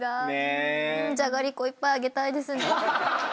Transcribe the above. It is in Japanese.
じゃがりこいっぱいあげたいですね。